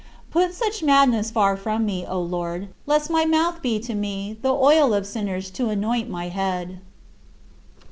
Put such madness far from me, O Lord, lest my mouth be to me "the oil of sinners, to anoint my head."